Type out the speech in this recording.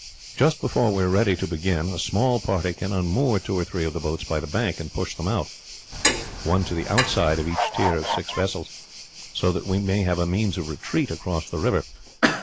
Just before we are ready to begin a small party can unmoor two or three of the boats by the bank and push them out, one to the outside of each tier of six vessels, so that we may have a means of retreat across the river.